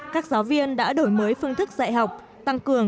các giáo viên đã đổi mới phương thức dạy học tăng cường